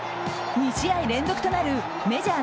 ２試合連続となるメジャー